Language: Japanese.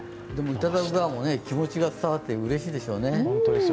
いただく側も気持ちが伝わってうれしいでしょうね。